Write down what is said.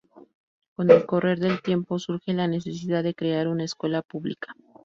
Con el correr del tiempo, surge la necesidad de crear una escuela pública.